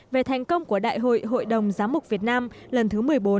về thành công của đại hội hội đồng giám mục việt nam lần thứ một mươi bốn